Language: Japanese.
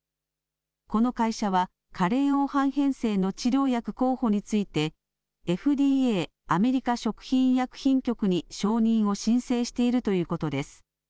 この会社は加齢黄斑変性の治療薬候補について、ＦＤＡ・アメリカ食品医薬品局に承認を申請しているということです。